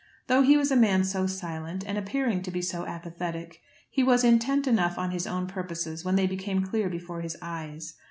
Though he was a man so silent, and appearing to be so apathetic, he was intent enough on his own purposes when they became clear before his eyes.